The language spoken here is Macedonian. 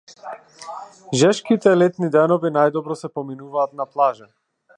Жешките летни денови најдобро се поминуваат на плажа.